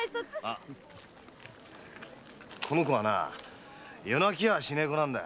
この子はなあ夜泣きはしねえ子なんだ。